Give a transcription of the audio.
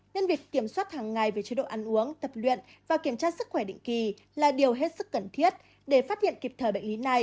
nên việc kiểm soát hàng ngày về chế độ ăn uống tập luyện và kiểm tra sức khỏe định kỳ là điều hết sức cần thiết để phát hiện kịp thời bệnh lý này